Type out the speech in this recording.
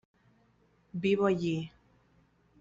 Vivo allí.